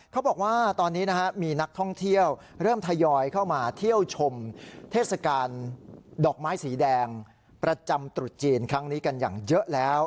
เขาบอกว่าตอนนี้นะฮะมีนักท่องเที่ยวเริ่มทยอยเข้ามาเที่ยวชมเทศกาลดอกไม้สีแดงประจำตรุษจีนครั้งนี้กันอย่างเยอะแล้ว